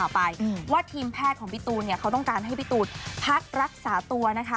ไปว่าทีมแพทย์ของพี่ตูนเนี่ยเขาต้องการให้พี่ตูนพักรักษาตัวนะคะ